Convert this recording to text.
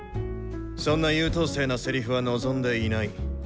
そんな優等生なセリフは望んでいない。